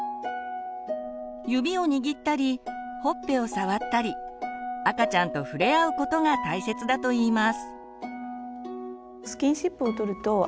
指を握ったりほっぺを触ったり赤ちゃんと触れ合うことが大切だといいます。